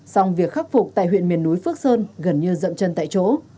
xong việc khắc phục tại huyện miền núi phước sơn gần như dậm chân tại chỗ